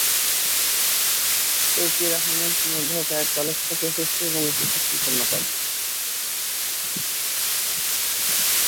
Tauqir Ahmed Jhenaidah cadet college থেকে S S C এবং HSC সম্পন্ন করেন।